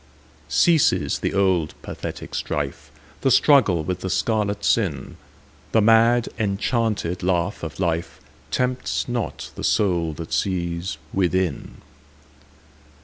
Ceases the old pathetic strife, The struggle with the scarlet sin:The mad enchanted laugh of lifeTempts not the soul that sees within.